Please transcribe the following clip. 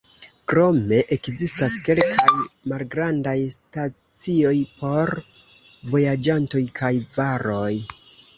Krome ekzistas kelkaj malgrandaj stacioj por vojaĝantoj kaj varoj.